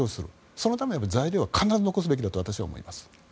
そのための材料は必ず残すべきだと私は思います。